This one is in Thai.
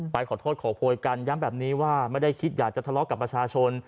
ขอโทษขอโพยกันย้ำแบบนี้ว่าไม่ได้คิดอยากจะทะเลาะกับประชาชน